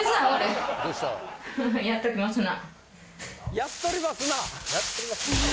「やっとりますな」！